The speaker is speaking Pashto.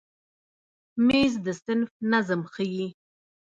مېز د صنف نظم ښیي.